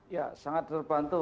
ya sangat terbantu